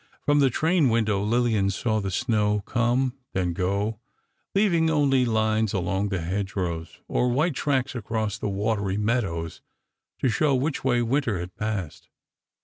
From the train window, Lillian saw the snow come, then go, leaving only lines along the hedgerows, or white tracks across the watery meadows to show which way winter had passed.